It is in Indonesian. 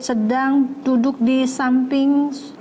sedang duduk di samping